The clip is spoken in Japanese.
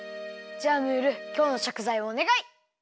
じゃあムールきょうのしょくざいおねがい！